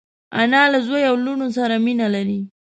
انا له زوی او لوڼو سره مینه لري